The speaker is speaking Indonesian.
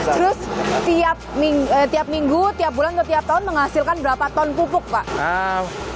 terus tiap minggu tiap bulan atau tiap tahun menghasilkan berapa ton pupuk pak